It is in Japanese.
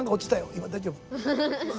今大丈夫？